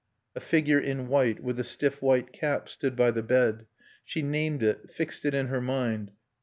A figure in white, with a stiff white cap, stood by the bed. She named it, fixed it in her mind.